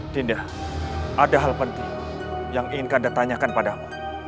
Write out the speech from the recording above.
dinda ada hal penting yang ingin anda tanyakan padamu